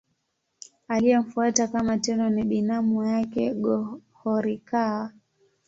Aliyemfuata kama Tenno ni binamu yake Go-Horikawa.